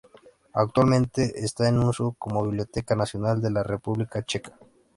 Actualmente está en uso como la Biblioteca Nacional de la República Checa.